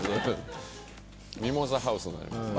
ミモザハウスになります。